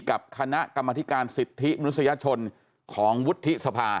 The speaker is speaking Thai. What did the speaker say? กับคณะกรรมธิการสิทธิมนุษยชนของวุฒิสภา